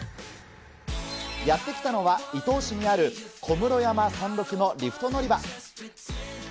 やって来たのは伊東市にある小室山山麓のリフト乗り場。